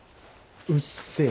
うっせー。